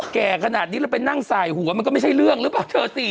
แก่ขนาดนี้แล้วไปนั่งสายหัวมันก็ไม่ใช่เรื่องหรือเปล่าเธอสิ